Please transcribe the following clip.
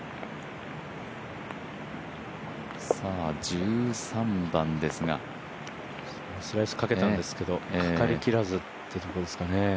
１３番ですがスライスかけたんですけどかかりきらずっていうところですかね